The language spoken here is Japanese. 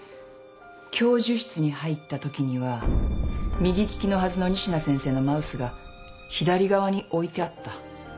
教授室に入ったときには右利きのはずの西名先生のマウスが左側に置いてあった。